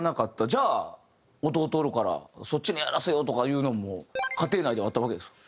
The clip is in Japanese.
じゃあ弟おるからそっちにやらせようとかいうのも家庭内ではあったわけですか？